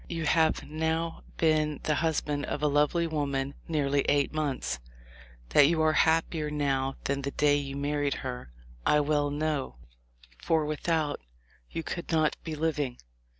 You have now been the husband of a lovely woman nearly eight months. That you are happier now than the day you married her, I well know, for without, you could not be living.